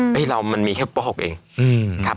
เฮ้ยเรามันมีแค่วุธิ์เมือง๖เอง